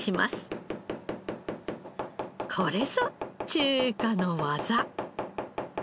これぞ中華の技！